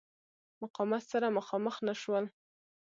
مقاومت سره مخامخ نه شول.